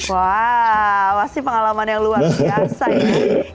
wow pasti pengalaman yang luar biasa ini